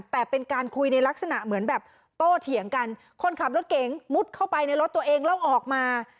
แต่เป็นการคุยในลักษณะเหมือนแบบโตเถียงกันคนขับรถเก๋งมุดเข้าไปในรถตัวเองแล้วออกมา